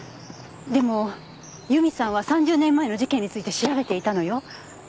でも由美さんは３０年前の事件について調べていたのよ。